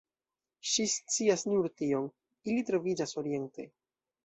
Ŝi scias nur tion: ili troviĝas oriente.